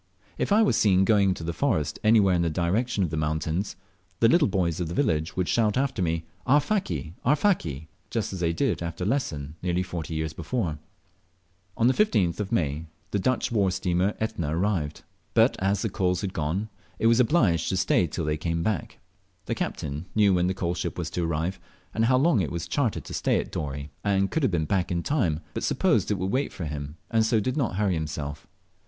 If I was seem going into the forest anywhere in the direction of the mountains, the little boys of the village would shout after me, "Arfaki! Arfaki?" just as they did after Lesson nearly forty years before. On the 15th of May the Dutch war steamer Etna arrived; but, as the coals had gone, it was obliged to stay till they came back. The captain knew when the coalship was to arrive, and how long it was chartered to stay at Dorey, and could have been back in time, but supposed it would wait for him, and so did not hurry himself.